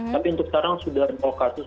tapi untuk sekarang sudah kasus